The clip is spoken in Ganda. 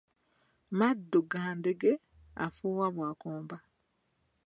Maddu ga ddenge, afuuwa bwakomba.